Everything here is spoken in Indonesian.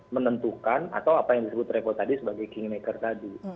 menentukan atau apa yang disebut travel tadi sebagai kingmaker tadi